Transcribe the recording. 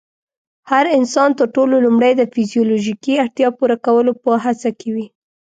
هر انسان تر ټولو لومړی د فزيولوژيکي اړتیا پوره کولو په هڅه کې وي.